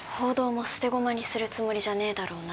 「捨て駒にするつもりじゃねえだろうな？」